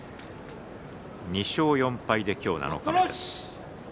２勝４敗で今日七日目です。